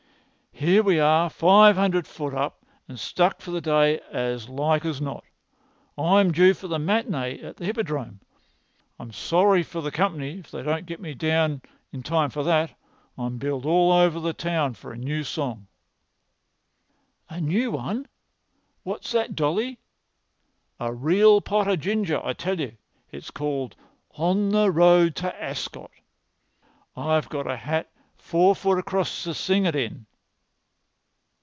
Here we are five[Pg 246] hundred foot up, and stuck for the day as like as not. I'm due for the matinée at the Hippodrome. I'm sorry for the company if they don't get me down in time for that. I'm billed all over the town for a new song." "A new one! What's that, Dolly?" "A real pot o' ginger, I tell you. It's called 'On the Road to Ascot.' I've got a hat four foot across to sing it in."